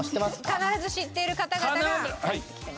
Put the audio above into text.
必ず知っている方々が入ってきてます。